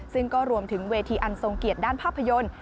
ซึ่งก็รวมถึงเวทีอันทรงเกียรติด้านภาพยนตร์